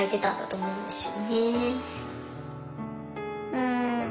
うん。